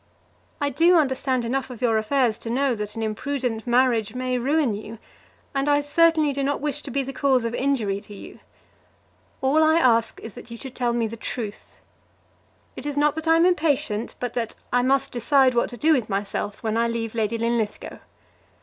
I do understand enough of your affairs to know that an imprudent marriage may ruin you, and I certainly do not wish to be the cause of injury to you. All I ask is that you should tell me the truth. It is not that I am impatient; but that I must decide what to do with myself when I leave Lady Linlithgow.